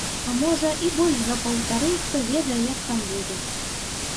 А можа, і больш за паўтары, хто ведае, як там будзе.